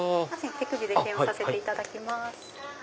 手首で検温させていただきます。